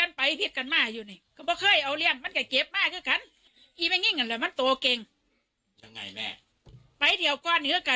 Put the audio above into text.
นี่แม่เขาบอกอย่างนี้นะ